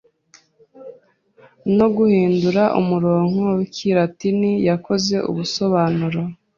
no guhindura umurongo wikilatini yakoze ubusobanuro